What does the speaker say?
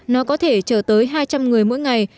nó có thể chở tới hai trăm linh người mỗi ngày